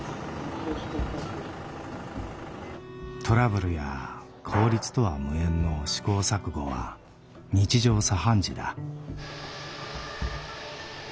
トラブルや効率とは無縁の試行錯誤は日常茶飯事だ。